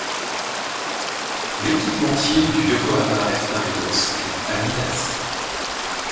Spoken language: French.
L'équipementier du Yokohama F·Marinos est Adidas.